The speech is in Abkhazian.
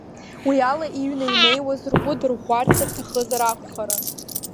Уиала иҩны инеиуаз ргәы дырӷәӷәарц рҭахызар акәхарын.